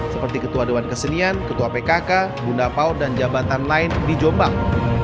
seperti ketua dewan kesenian ketua pkk bunda pao dan jabatan lain di jombang